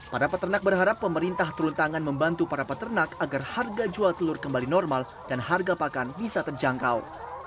para peternak berharap pemerintah turun tangan membantu para peternak agar harga jual telur kembali normal dan harga pakan bisa terjangkau